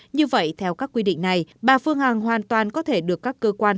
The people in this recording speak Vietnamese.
như vậy theo các quy định này bà phương hằng hoàn toàn có thể được các cơ quan